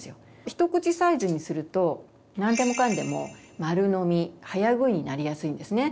ひとくちサイズにすると何でもかんでも丸飲み早食いになりやすいんですね。